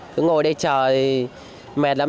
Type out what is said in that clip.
cứ ngồi đây chờ thì mệt lắm